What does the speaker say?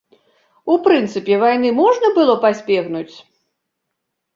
У прынцыпе, вайны можна было пазбегнуць?